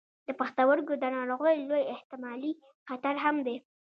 د پښتورګو د ناروغیو لوی احتمالي خطر هم دی.